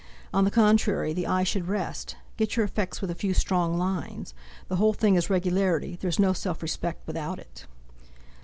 On the contrary the eye should rest; get your effects with a few strong lines. The whole thing is regularity—there's no self respect without it."